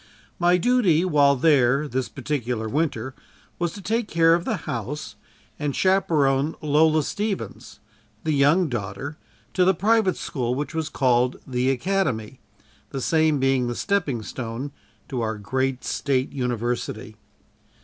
My duty while there this particular winter, was to take care of the house and chaperone Lola Stevens, the young daughter to the private school which was called the "Academy" the same being the stepping stone to our great State University.